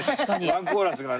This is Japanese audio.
ワンコーラスがね。